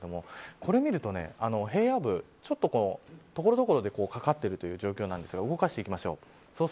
これを見ると、平野部ちょっと所々で、かかっているという状況ですが動かしていきましょう。